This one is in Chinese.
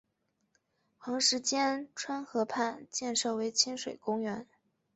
横十间川河畔建设为亲水公园。